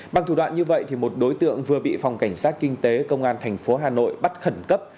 bằng thủ đoạn như vậy một đối tượng vừa bị phòng cảnh sát kinh tế công an thành phố hà nội bắt khẩn cấp